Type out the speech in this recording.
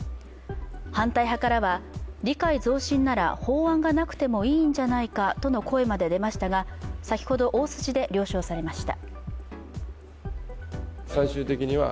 反対派からは、理解増進なら法案がなくてもいいんじゃないかとの声も出ましたが、先ほど、大筋で了承されました。